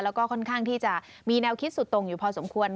แล้วก็ค่อนข้างที่จะมีแนวคิดสุดตรงอยู่พอสมควร